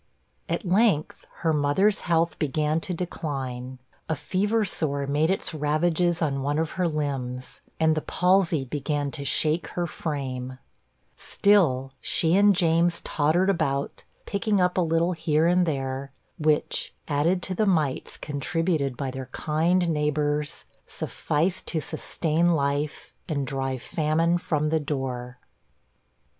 At length her mother's health began to decline a fever sore made its ravages on one of her limbs, and the palsy began to shake her frame; still, she and James tottered about, picking up a little here and there, which, added to the mites contributed by their kind neighbors, sufficed to sustain life, and drive famine from the door.